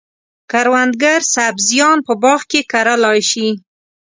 کروندګر سبزیان په باغ کې کرلای شي.